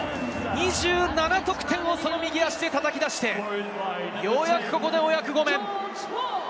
２７得点を右足で叩き出して、ようやくここでお役ごめん。